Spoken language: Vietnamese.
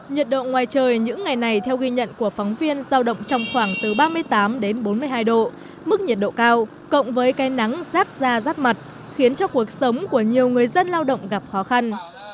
nhiệt độ ngoài trời những ngày này theo ghi nhận của phóng viên giao động trong khoảng từ ba mươi tám đến bốn mươi hai độ mức nhiệt độ cao cộng với cây nắng rát da rát mặt khiến cho cuộc sống của nhiều người dân lao động gặp khó khăn